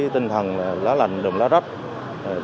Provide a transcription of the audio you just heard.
tinh thần lá lạnh đùm lá rách